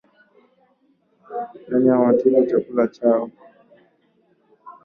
Nyani wataiba chakula chako